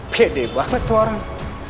bede banget tuh orang